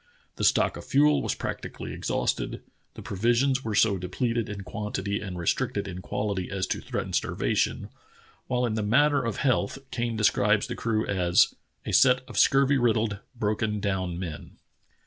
The stock of fuel was practically exhausted, the provisions were so depleted in quantity and restricted in quality as to threaten starvation, while in the matter of health Kane describes the crew as "a set of scurvy riddled, broken down men."